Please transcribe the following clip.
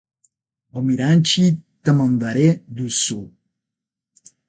Almirante Tamandaré do Sul